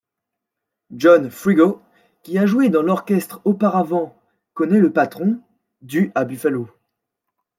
John Frigo qui a joué dans l'orchestre auparavant connait le patron du à Buffalo.